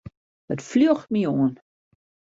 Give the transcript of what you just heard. It fljocht my oan.